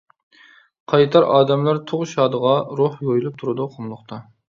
قايتار ئادەملەر تۇغ-شادىغا، روھ يۇيۇلۇپ تۇرىدۇ قۇملۇقتا.